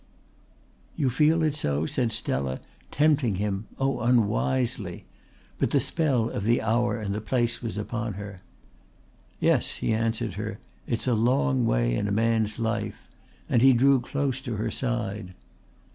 "You feel it so?" said Stella, tempting him oh, unwisely! But the spell of the hour and the place was upon her. "Yes," he answered her. "It's a long way in a man's life," and he drew close to her side.